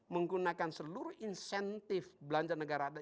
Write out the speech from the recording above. menggunakan seluruh insentif belanja negara